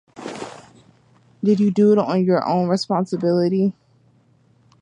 Did you do it on your own responsibility?